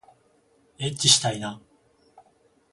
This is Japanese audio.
えっちしたいな